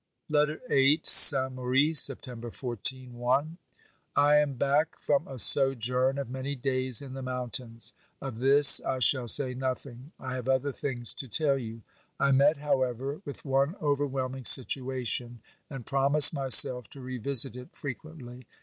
LETTER VIII Saint Maurice, Scptembei 14 (I). I am back from a sojourn of many days in the mountains. Of this I shall say nothing; I have other things to tell you. I met, however, with one overwhelming situation and promised myself to revisit it frequently.